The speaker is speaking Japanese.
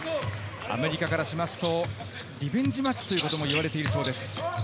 アメリカからしますとリベンジマッチということもいわれているそうです。